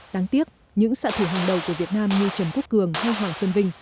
đáng tiếc những sạ thủ hàng đầu của việt nam như trần quốc cường hay hoàng xuân vinh